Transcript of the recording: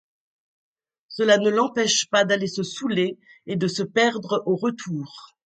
Cela ne l’empêche pas d’aller se saoûler et de se perdre au retour.